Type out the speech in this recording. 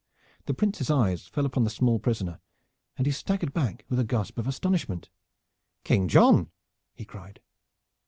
The Prince's eyes fell upon the small prisoner, and he staggered back with a gasp of astonishment. "King John!" he cried.